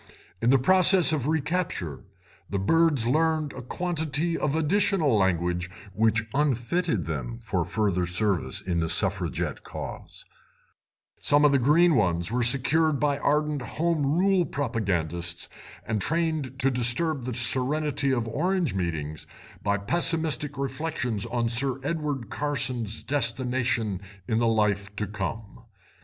In the process of recapture the birds learned a quantity of additional language which unfitted them for further service in the Suffragette cause; some of the green ones were secured by ardent Home Rule propagandists and trained to disturb the serenity of Orange meetings by pessimistic reflections on Sir Edward Carson's destination in the life to come.